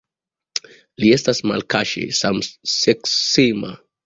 Li estas malkaŝe samseksema.